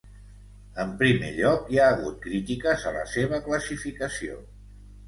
En primer lloc, hi ha hagut crítiques a la seva classificació.